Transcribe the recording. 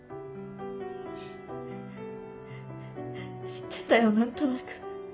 知ってたよ何となく。